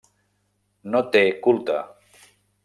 No té culte.